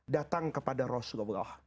datang kepada rasulullah